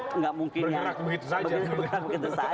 bergerak begitu saja